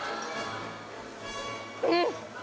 うん！